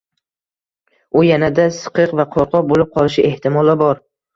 - u yanada siqiq va qo‘rqoq bo‘lib qolishi ehtimoli bor.